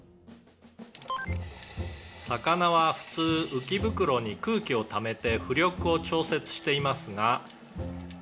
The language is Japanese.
「魚は普通浮袋に空気をためて浮力を調節していますが」